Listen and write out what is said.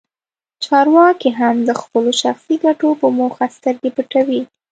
چارواکي هم د خپلو شخصي ګټو په موخه سترګې پټوي.